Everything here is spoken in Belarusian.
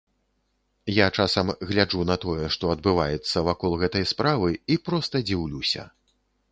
Я часам гляджу на тое, што адбываецца вакол гэтай справы, і проста дзіўлюся.